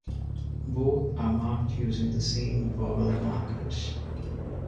Both are marked using the same vowel markers.